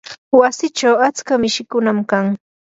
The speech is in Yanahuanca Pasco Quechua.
wasichaw atska mishikunam kan.